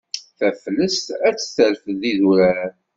Taflest ad d-terfed idurar.